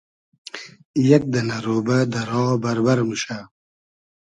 یئگ دئنۂ رۉبۂ دۂ را بئربئر موشۂ